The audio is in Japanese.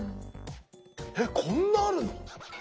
えっこんなあるの⁉すごい。